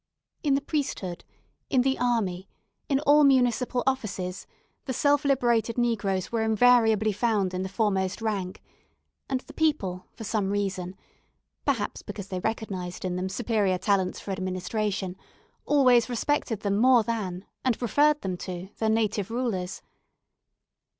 In the priesthood, in the army, in all municipal offices, the self liberated negroes were invariably found in the foremost rank; and the people, for some reason perhaps because they recognised in them superior talents for administration always respected them more than, and preferred them to, their native rulers.